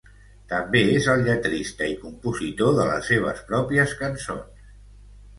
També és el lletrista i compositor de les seves pròpies cançons.